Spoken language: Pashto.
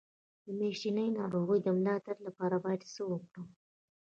د میاشتنۍ ناروغۍ د ملا درد لپاره باید څه وکړم؟